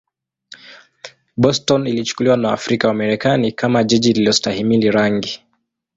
Boston ilichukuliwa na Waafrika-Wamarekani kama jiji lisilostahimili rangi.